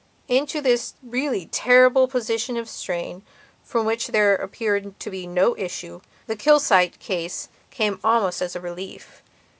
Into this really terrible position of strain, from which there appeared to be no issue, the Kilsyte case came almost as a relief.